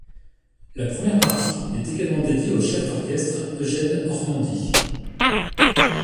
La première partie est également dédié au chef d'orchestre Eugene Ormandy.